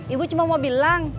ibu cuma mau bilang